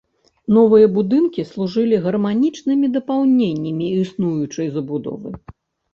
Новыя будынкі служылі гарманічнымі дапаўненнямі існуючай забудовы.